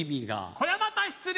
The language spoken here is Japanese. これまた失礼。